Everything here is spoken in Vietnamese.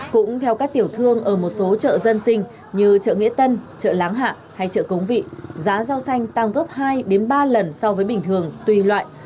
cũng theo các tiểu thương ở một số chợ dân sinh như chợ nghĩa tân chợ láng hạ hay chợ cống vị giá rau xanh tăng gấp hai ba lần so với bình thường tùy loại